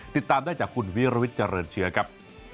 ติดตามได้จากคุณวิรวิทย์เจริญเชื้อครับ